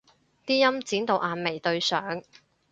啲陰剪到眼眉對上